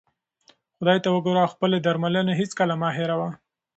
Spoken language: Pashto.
خدای ته وګوره او خپلې درملې هیڅکله مه هېروه.